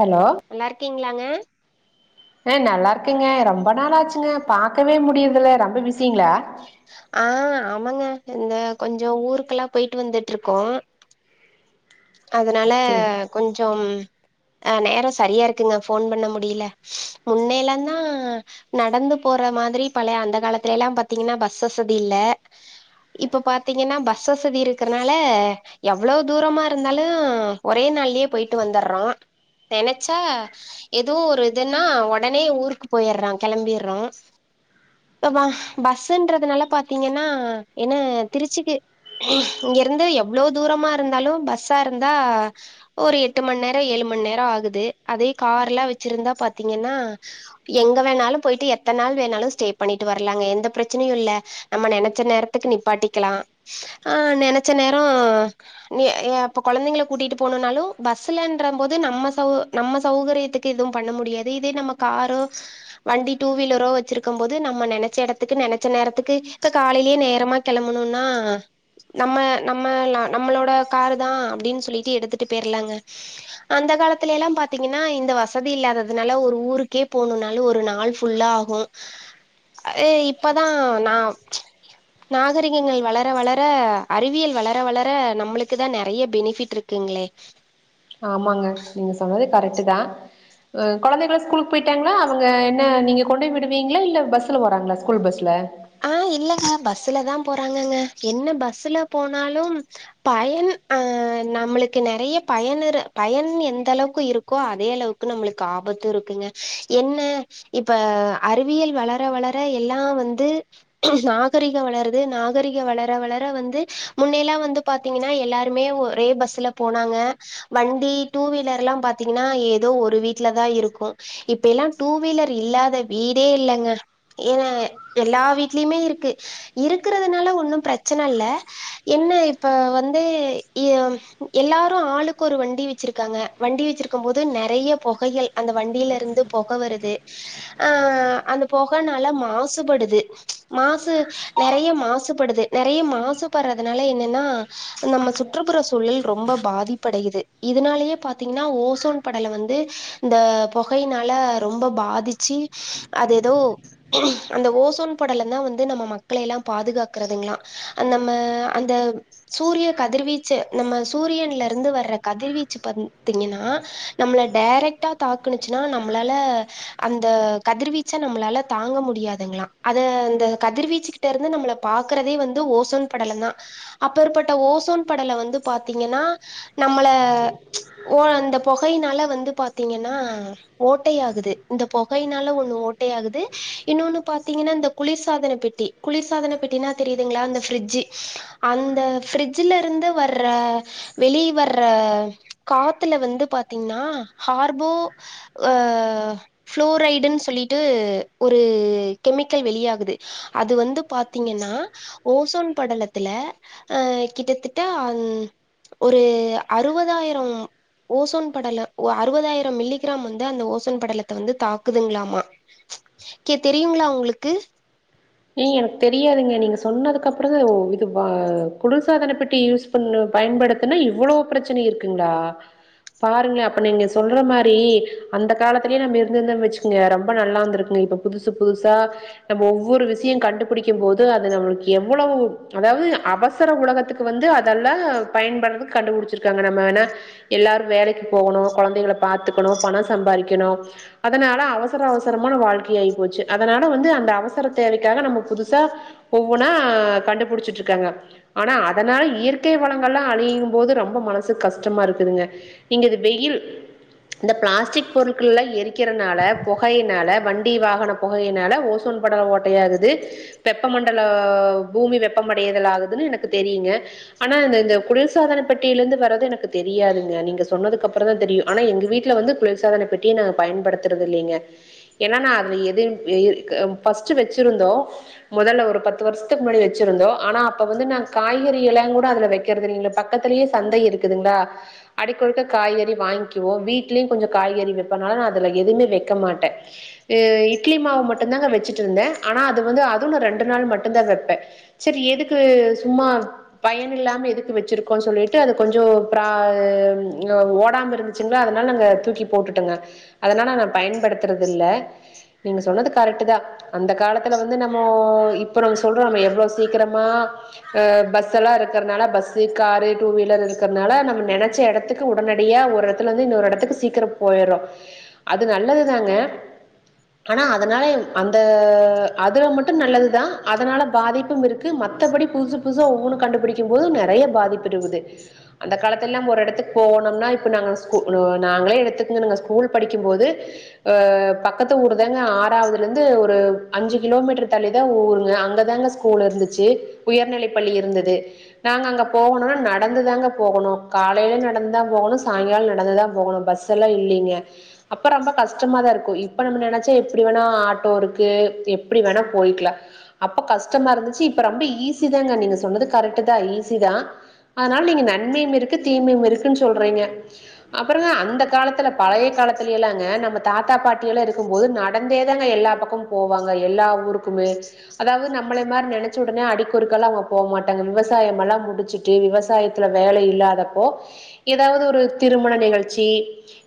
Hello நல்லா இருக்கீங்களா உ அ நல்லா இருக்கங்க ரொம்ப நாள் ஆச்சுங்க பாக்கவே முடியதுல ரொம்ப பிசி ஆ ஆமாங்க இந்த கொஞ்சோ ஊருக்கெல்லா போயிட்டு வந்துட்ருக்கோ அதனால சரி கொஞ்சம் அ நேரோ சரியா இருக்குங்க ஃபோன் பண்ண முடியல முன்னயெல்லாந்தா நடந்து போற மாதிரி பழைய அந்த காலத்துலலா பாத்தீங்கன்னா பஸ் வசதி இல்ல இப்ப பாத்தீங்கன்னா பஸ் வசதி இருக்கறனால எவ்வளோ தூரமா இரு ந்தாலு ஒரே நாளாளயே போயட்டு வந்துட்றோ நெனைச்சா எதோ ஒர் இதுன்னா ஒடனே ஊருக்கு போயிட்றோ கிளம்பர்றோ அப்பா பஸ்ஸு உட்றதுனால பாத்தீங்கன்னா எ ந திருச்சிக்கு இங்கிருந்து எவ்ளோ தூரமா இருந்தாலு பஸ் ஸா இருந்தா ஒரு எட்டு மண் நேரோ ஏழு மணி நேரோ ஆகுது அதே கார்லா வச்சிருந்தா பாத்தீங்கன்னா எங்க வேணாலு போயிட்டு எத்தன் நாள் வேணாலு ஸ்டே பண்ணிட்டு வரலாங்க எந்த பிரச்சனையு இல்ல நம்ம நெனைச்ச நேரத்துக்கு நிப்பாட்டிக்கலா ஆ நெனைச்ச நேரோ ய ஏ இப்ப கொழந்தைங்கள கூட்டிட்டு போணும்னாலு பஸ்ஸுலன்ற போது நம்ம சவ் நம்ம சௌகீரியத்துக்கு எதுவு பண்ண முடியாது இதே நம்ம காரோ வண்டி டூ வீலரோ வச்சிருக்கம்போது நம்ம நெனைச்ச எடத்துக்கு நெனைச்ச நேரத்துக்கு இப்ப காலையிலயே நேரமா கிளம்பணும்னா நம்ம நம்ம நம்மளோட காரு தா அப்டின்னு சொல்லிட்டு எடுத்துட்டு போய்ரலாங்க அந்த காலத்துலலா பாத்தீங்கன்னா இந்த வசதி இல்லாததுனால ஒரு ஊருக்கே போணும்னாலு ஒரு நாள் ஃபுல்லா ஆகு ஆ இப்பதா நா நாகரிகங்கள் வளர வளர அறிவியல் வளர வளர நம்மளுக்கு க்தா நெறைய பெனிஃபிட் இருக்குங்களே ஆமாங்க நீங்க சொன்னது கரெக்டு தா உ கொழந்தைகள ஸ்கூலுக்கு போயிட்டாங்களா அவங்க என்ன நீங்க கொண்டு போய் விடுவீங்களா இல்ல பஸ்ல போறாங்களா ஸ்கூல் பஸ்ல ஆ இல்லங்க பஸ்ல தா போறாங்கங்க என்ன பஸ்ல போனாலு பயன் அ நம்மளுக்கு நெறையா பயனு பயன் எந்த அளவுக்கு இருக்கோ அதே அளவுக்கு நம்மளுக்கு ஆபத்து இருக்குங்க என்ன இப்ப அறிவியல் வளர வளர எல்லா வந்து நாகரிகோ வளருது நாகரிகோ வளர வளர வந்து முன்னையெல்லா வந்து பாத்தீங்கன்னா எல்லாருமே ஒரே பஸ்ல போனாங்க வண்டி டூ வீலர்லா பாத்தீங்கன்னா ஏதோ ஒரு வீட்லதா இருக்கு இப்ப எல்லா டூ வீலர் இல்லாத வீடே இல்லங்க ஏன்னா எல்லா வீட் ட்லுமே இருக்கு இருக்கிறதுனால ஒன்னு பிரச்சன இல்ல என்ன இப்ப வந்து எ எல்லாரு ஆளுக்கு ஒரு வண்டி வச்சிருக்காங்க வண்டி வச்சிருக்கும்போது நெறையா பொகைகள் அந்த வண்டியில இருந்து பொக வருது அ அந்த பொகனால மாசுபடுது மாசு நெறையா மாசுபடுது நெறையா மாசுபடுறதுனால என்னன்னா நம்ம சுற்றுப்புற சூழல் ரொம்ப பாதிப்படையது இதனாலயே பாத்தீங்கன்னா ஓசோன் படல வந்து இந்த பொகையினால ரொம்ப பாதிச்சு அது ஏதோ அந்த ஓசோன் படல ந்தா வந்து நம்ம மக்களைலா பாதுகாக்கறதுங்லா அந்தம்ம அந்த சூரிய கதிர்வீச்சு நம்ம சூரியன்ல இருந்து வர்ற கதிர்வீச்சு பத்தீங்கன்னா நம்மள டேரக்டா தாக்குனுச்சுன்னா நம்மளால அந்த கதிர்வீச்ச நம்மளால தாங்க முடியாதுங்களா அத இந்த கதிர்வீச்சுகிட்ட இருந்து நம்மள பாக்கறதே வந்து ஓசோன் படலந்தா அப்பற்பட்ட ஓசோன் படலோ வந்து பாத்தீங்கன்னா நம்மள அந்த பொகையினால வந்து பாத்தீங்கன்னா ஓட்டையாகுது இந்த பொகையினால ஒன்னு ஓட்டையாகுது இன்னொன்னு பாத்தீங்கன்னா இந்த குளிர்சாதன பெட்டி குளிர்சாதன பெட்டினா தெரியுதுங்களா அந்த ஃபிரிட்ஜு அந்த ஃபிரட்ஜல இருந்து வர்ற வெளிய வர்ற காத்துல வந்து பாத்தீங்கன்னா கார்போ ஆ ஃப்ளோரைடுன்னு சொல்லிட்டு ஒரு கெமிக் கள் வெளியாகுது அது வந்து பாத்தீங்கன்னா ஓசோன் படலத்துல கிட்டத்தட்ட ஒரு அறுபதாயிரம் ஓசோன் படல அறுபதாயிரம் மில்லிகிராம் வந்து அந்த ஓசன் படலத்த வந்து தாக்குதுங்களாமா தெரியுங்களா உங்களுக் கு ஏங்க எனக்கு தெரியாதுங்க. நீங்க சொன்னதுக்கு அப்பறந்தா இது குளிர்சாதன பெட்டி யூஸ் பண்ண பயன்படுத்துனா இவ்வளோ பிரச்சன இருக்குங்களா பாருங்களே அப்ப நீங்க சொல்ற மாரி அந்த காலத்திலே நம்ம இருந்திருந்தோன் வச்சுக்கோங்க ரொம்ப நல்லா இருந்துருக்குங்க இப்ப புதுசு புதுசா நம்ம ஒவ்வொரு விஸய ஸ்ஸயு கண்டுபிடிக்கும்போது அது நம்ளுக்கு எவ்வளவு அதாவது அவசர உலகத்துக்கு வந்து அதெல்லா பயன்பட்றதுக்கு கண்டுபிடிச்சிருக்காங்க நம்ம வேன எல்லாரு வேலைக்கு போகணு கொழந்தைகள பாத்துக்கணு பணோ சம்பாதிக்கணு அதனால அவசர அவசரமான வாழ்க்கை ஆகி போச்சு அதனால வந்து அந்த அவசரத் தேவைக்காக நம்ம புதுசா ஒவ்வொன்னா கண்டுபிடிச்சிட்ருக்காங்க ஆனா அதனால இயற்கை வளங்கள்லா அழியும்போது ரொம்ப மனசுக்கு கஷ்டமா இருக்குதுங்க வெயில் இந்த பிளாஸ்டிக் பொருட்கள்லா எரிக்கிறதினால பொகையினால வண்டி வாகன பொகையினால ஓசோன் படல ஓட் யாஆகுது வெப்பமண்டல பூமி வெப்பமடையதல் ஆகுதுன்னு எனக்கு தெரியுங்க ஆனா இந்த குளிர் சாதன பெட்டியில இருந்து வர்றது எனக்கு தெரியாதுங்க நீங்க சொன்னதுக்கு அப்புற தா தெரியு ஆனா எங்க வீட்டுல வந்து குளிர் சாதன பெட்டிய நாங்க பயன்படுத்துறதில்லேங்க ஏனா நா அதுல எது [inaudible] ஃபஸ்ட் ஸ்டு வச்சிருந்தோ மொதல்ல ஒரு பத்து வருசத்துக்கு முன்னாடி வச்சிருந்தோ ஆனா அப்ப வந்து நாங்க காய்கறிலா கூட அதுல வைக்கிறது இல்லங்கள பக்கத்துலயே சந்தை இருக்குதுங்களா அடிக்கொருக்க காய்கறி வாங்கிக்குவோ வீட்லயு கொஞ்சோ காய்கறி வப்பேனால நா அதுல எதுவுமே வைக்க மாட்டே ஆ இட்லி மாவு மட்டுந்தா வெச்சிரு ட்ருந்தே ஆனா அது வந்து அது நா ரெண்டு நாள் மட்டுந்தா வப்பே சரி எதுக்கு சும்மா பயன்யில்லாம எதுக்கு வச்சிருக்கோ சொல்லிட்டு அது கொஞ்சோ பிரா உ ஓடாம இருந்துச்சுங்களா அதனால நாங்க தூக்கிபோட்டுட்டோங்க அதனால நா பயன்படுத்துறது இல்ல நீங்க சொன்னது கரெட்டு தா அந்த காலத்துல வந்து நம்ம இப்போ நம்ம சொல்றோமே நம்ம எவ்ளோ சீக்ரமா அ பஸ் எல்லா இருக்கிறனால பஸ்ஸூ காரு டூ வீலர் இருக்கிறனால நம்ம நெனைச்ச எடத்துக்கு உடனடியா ஒரு எடத்துலருந்து இன்னொரு எடத்துக்கு சீக்கிரோ போய்றோ அது நல்லதுதாங்க ஆனா அதனால அந்த உ அதுல மட்டு நல்லது தா அதனால பாதிப்பு இருக்கு மத்தபடி புதுசு புதுசு ஒவ்வொன்னு கண்டுபிடிக்கும் போது நெறையா பாதிப்பு இருக்குது அந்த காலத்துலலா ஒரு எடத்துக்கு போனோம்னா இப்ப நாங்க ஸ்கூ ஆ நாங்களீ எடுத்துங்க ஸீகூல் படிக்கும் போது ஆ பக்கத்து ஊர் தாங்க ஆறாவதுலருந்து வந்து ஒரு அஞ்சு கிலோமீட்டர் தல்லிதா ஊர்ங்க அங்கதாங்க ஸ்கூ ல் இருந்துச்சு உயர்நிலை பள்ளி இருந்தது நாங்க அங்க போகணுனா நடந்துதாங்க போகணு காலைலே நடந்து தா போகணு சாயங்காலோ நடந்துதா போகணு பஸ் எல்லா இல்லைங்க அப்ப ரொம்ப கஷ்டமா தா இருக்கு இப்ப நம்ம நனைச்சா எப்டி வேணா ஆட் இருக்கு எப்டி வேணா போய்கலா அப்ப கஷ்டமா இருந்துச்சி இப்போ ரொம்ப ஈஸிதாங்க நீங்க சொன்னது கரெக்ட்டு தா ஈஸி தா அதனால நீங்க நன்மையு இருக்கு தீமையு இருக்குனு சொல்றீங்க அப்பற அந்த காலத்துல பழைய காலத்துலயெல்லாங்க நம்ம தாத்தா பாட்டியெல்லா இருக்கும்போது நடந்தே தாங்க எல்லா அக்கு போவாங்க எல்லா ஊருக்குமே அதாவது நம்மள மாரி நெனைச்ச உடனே அடிக்கொருக்கல்லா அவுங்க போக மாட்டாங்க விவசாயம்ல்லா முடிச்சுட்டு விவசாயத்துல வேலை இல்லாதப்போ ஏதாவது ஒரு திருமண நிகழ்ச்சி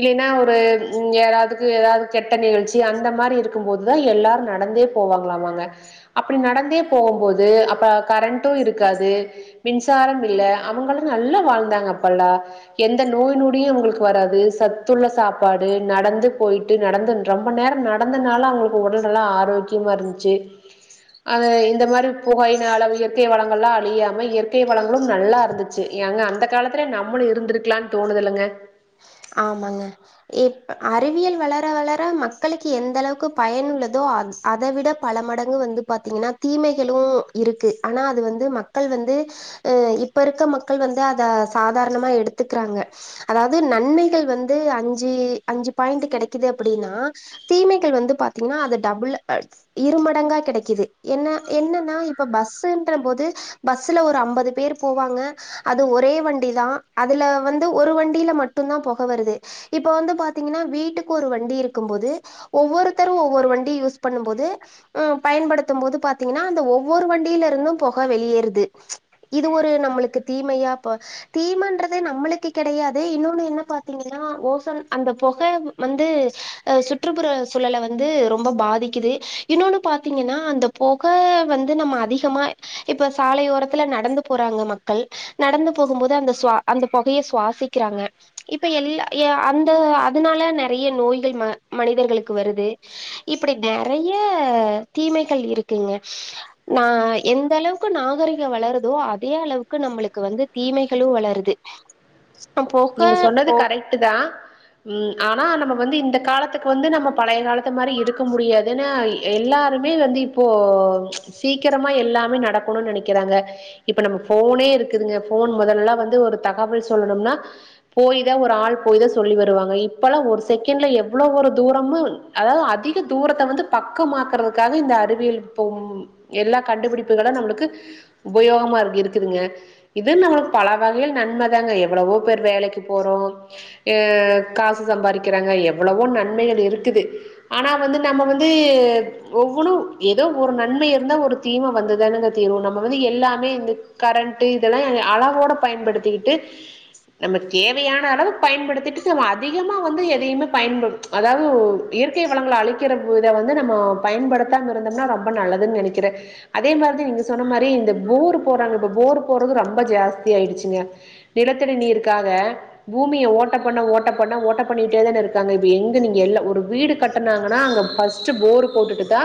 இல்லைன்னா ஒ ப் ம் யாராவதுக்கு ஏதாவ கெட் ட்ட நிகழ்ச்சி அந்த மாரி இருக்குபோ தா எல்லாரு நடந்தே போவாங்களாமாக அப்பிடி நடந்தே போம்போது அப்ப கரண்டு இருக்காது மின்சாரம் இல்ல அவங்களு நல்லா வாழ்ந்தாங்க அப்பெல்லா எந்த நோய் நொடியு உங்களுக்கு வராது சத்துள்ள சாப்பாடு நடந்து போயிட்டு நடந்து ரொம்ப நேரம் நடந்தனால அவங்களுக் உடல் நல்ல ஆரோக்கி க்கியமா இருந்துச்சி அது இந்த மாரி புகையினால அளவு இயற்கை வளங்கள்ல்லா அழியாம இயற்கை வளங்களு நல்லா இருந்துச்சி எங்க அந்த காலத்துல நம்மளு இருந்திருக்கலா தோணுது இல்லங்க ஆமாங்க ப் அறிவியல் வளர வளர மக்களுக்கு எந்த அளவுக்கு பயனுள்ளதோ அந் அத விட பல மடங்கு வந்து பாத்தீங்கன்னா தீமைகளு இருக்கு ஆனா அது வந்து மக்கள் வந்து அ இப்ப இருக்க மக்கள் வந்து அத சாதாரணமா எடுத்துக்கிறாங்க அதாவது நன்மைகள் வந்து அஞ்சு அஞ்சு பாய்ண்டு கிடைக்குது அப்பிடின்னா தீமைகள் வந்து பாத்தீங்கன்னா அது டபுள் இருமடங்கா கிடைக்குது என்ன என்னன்னா இப்ப பஸ்ன்ற போது பஸ்ல ஒரு ஐம்பது பேர் போவாங்க அது ஒரே வண்டிதா அதுல வந்து ஒரு வண்டியில மட் மட்டுதா பொக வருது இப்ப வந்து பாத்தீங்கன்னா வீட்டுக்கு ஒரு வண்டி இருக்கு போது ஒவ்வொருத்தரு ஒவ்வொரு வண்டி யூஸ் பண்ணுபோது பயன்படுத்து போது பாத்தீங்கன்னா அந்த ஒவ்வொரு வண்டியில இருந்து பொக வெளியேறுது இது ஒரு நம்லுக்கு தீமையா ப தீமைன்றது நம்மளுக்கு கிடையாது இன்னு நொனு என்ன பாத்தீங்கன்னா ஓசோன் அந்த பொக வந்து அ சுற்றுப்புற சூழல வந்து ரொம்ப பாதிக்குது இன்னொன்னு பாத்தீங்கன்னா அந்த பொக வந்து நம்ம அதிகமா இப்ப சாலையோரத்துல நடந்து போறாங்க மக்கள் நடந்து போகும்போது அந்த சுவா அந்த பொகய சுவாசிக்கிறாங்க இப்ப எல்ல எ அந்த அதனால நெறைய நோய்கள் ம மனிதர்களுக்கு வருது இப்பிடி நெறைய தீமைகள் இருக்குங்க நா எந்தளவுக்கு நாகரிகம் வளருதோ அதே அளவுக்கு நம்மளுக்கு வந்து தீமைகளு வளருது நம் போ நீங்க சொன்னது கரெக்ட்தா ம் ஆனா நம்ம வந்து இந்த காலத்துக்கு வந்து நம்ம பழைய காலத் த்த மாரி இருக்க முடியாதுன்னா எல்லாருமே வந்து இப்போ சீக்கிரமா எல்லாமே நடக்கணும்னு நெனைக்கிறாங்க இப்ப நம்ம ஃபோன்னே இருக்குதுங்க ஃபோன் முதலெல்லா வந்து ஒரு தகவல் சொல்லணும்னா போய்தா ஒரு ஆள் போய்தா சொல்லி வருவாங்க இப்பெல்லா ஒரு செகண்ட்ல எவ்ளோ ஒரு தூரமு அதாது அதிக தூரத்த வந்து பக்கமாக்குறதுக்காக இந்த அறிவியல் போம் எல்லா கண்டுபிடிப்புகளு நம்மளுக்கு உபயோகமாஇரு இருக்குதுங்க இது நம்மளுக்கு பல வகையில் நன்மதாங்க எவ்வளவோ பேர் வேலைக்கு போறோ ஏ காசு சம்பாதிக்கிறாங்க எவ்வளவோ நன்மைகள் இருக்குது ஆனா வந்து நம்ம வந்து ஒவ்வொன்னு ஏதோ ஒரு நன்மை இருந்தா ஒரு தீமை வந்துதானுங்க தீரும் நம்ம வந்து எல்லாமே இந்த கரண்ட் இதெல்லாம் எக அளவோட பயன்படுத்திக்கிட்டு நம்ம தேவையான அளவு பயன்படுத்திட்டு நம்ம அதிகமா வந்து எதையுமே பயன்படுத்து அதாவது ஓ இயற்கை வளங்கள அழிக்கிற இத வந்து நம்ம பயன்படுத்தாம இருந்தோம்னா ரொம்ப நல்லதுன்னு நெனைக்கிறே அதே மாரிதா நீங்க சொன்ன மாரி இந்த போர் போறாங்க இப்ப ப்போர் போறது ரொம்ப ஜாஸ்தி ஆயிடுச்சிங்க நிலத் த்தடி நீர்க்காக பூமிய ஓட்ட பண்ண ஓட்ட பண்ண ஓட்ட பண்ணிட்டே தான இருக்காங்க இப்ப எங்க நீங்க எல்ல ஒரு வீடு கட்டனாங்கனா அங்க ப்பஸ்ட் போர் போட்டுதா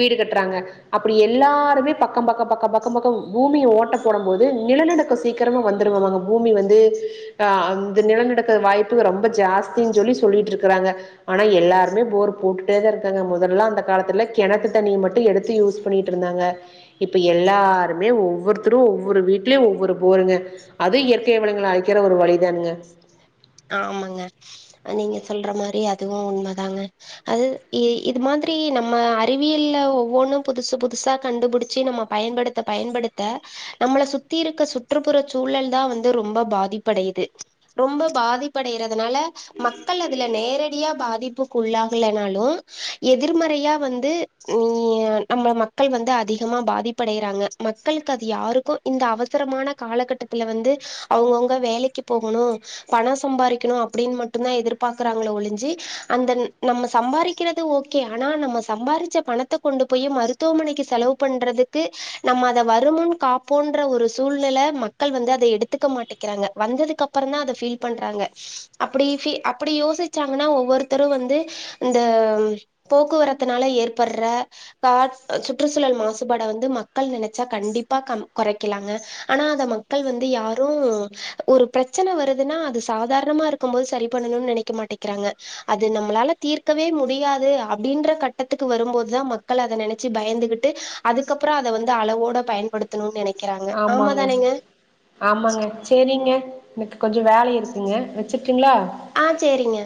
வீடு கட்டுறாங்க அப்பிடி எல்லாருமே பக்க பக்க பக்க பக்க பக்கம் பூமிய ஓட்ட போடம் போது நிலநடுக்க சீக்கிரமா வந்துருமாமாங்க பூமி வந் ந்து ஆ அந்த நிலநடுக்க வாய்ப்பு ரொம்ப ஜாஸ்தின்னு சொல்லி சொல்லிட்டு இருக்கிறாங்க ஆனா எல்லாருமே போர் போட்டுடே தா இருக்காங்க முதல்ல அந்த காலத்துல கிணத்து தண்ணி மட்டும் எடுத்து யூஸ் பண்ணிட்டு இருந்தாங்க இப்ப எல்லாருமே ஒவ்வொருத்தரு ஒவ்வொரு வீட்லயு ஒவ்வொரு போருங்க அது கே இவ்வலங்க அழிக்கிற ஒரு வழிதானுங்க ஆமாங்க நீங்க சொல்ற மாரி அதுவும் உண்மதாங்க அது இ இது மாதிரி நம்ம அறிவியல்ல ஒவ்வொன்னு புதுசு புதுசா கண்டுபிடிச்சி நம்ம பயன்படுத்த பயன்படுத்த நம்மள சுத்தி இருக்க சுற்றுப்புற சூழல்தா வந்து ரொம்ப பாதிப்படையுது ரொம்ப பாதிப்படையறதுனால மக்கள் அதுல நேரடியா பாதிப்புக்குள்ளாகலனாலு எதிர்மறையா வந்து ம் நம்ம மக்கள் வந்து அதிகமா பாதிப்படைறாங்க மக்களுக்கு அது யாருக்கு இந்த அவசரமான காலகட்டத்துல வந்து அவங்கவுங்க வேலைக்கு போகணு பணம் சம்பாரிக்கணு அப்பிடின்னு மட்டுதா எதிர்பாக்கறாங்கள ஒளிஞ்சி அந்த நம்ம சம்பாரிக்கிறது ஓகே ஆனா நம்ம சம்பாரிச்ச பணத்த கொண்டு போய் மருத்துவமனைக்கு செலவு பண்றதுக்கு நம்ம அத வருமுன் காப்போன்ற ஒரு சூழ்நில மக்கள் வந்து அத எடுத்துக்க மாட்டேக்கிறாங்க வந்ததுக்கப்பறதா அத ஃபீல் பண்றாங்க அப்பிடி ஃபி அப்பிடி யோசிச்சாங்கன்னா ஒவ்வொருத்தரு வந்து இந்த போக்குவரத்தனால ஏற்படுற காற் சுற்றுசூழல் மாசுபாட வந்து மக்கள் நினச்சா கண்டிப்பா கொறைக்கலாங்க ஆனா அத மக்கள் வந்து யாரும் ஒரு பிரச்சன வரு துன்னா அது சாதாரணமா இருக்கு போது சரி பண்ணணும்னு நெனைக்க மாட்டேக்கிறாங்க அது நம்மளால தீர்க்கவே முடியாது அப்பிடின்ற கட்டத்துக்கு வரும்போதுதா மக்கள் அத நெனைச்சி பயந்துகிட்டு அதுக்கப்புறோ அத வந்து அளவோட பயன்படுத்தணுன்னு நெனை ஆமாங்க ஆமாங்க சேரிங்க என்க் கொஞ்சோ வேலை இருக்குங்க வச்சுர்டுங்களா ஆ சேரிங்க